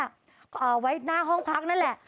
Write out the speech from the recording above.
เอาไว้หน้าห้องพักนั่นแหละ